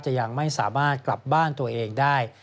ยังไม่สามารถกลับบ้านตัวเองได้